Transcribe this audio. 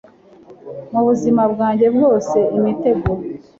mu buzima bwanjye bwose, imitego